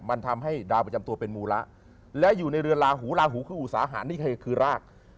มันทำให้ดาวประจำตัวเป็นมูระและอยู่ในเรือนลาหูลาหูคืออุตสาหารนี่คือราก